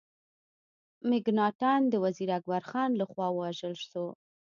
مکناټن د وزیر اکبر خان له خوا ووژل سو.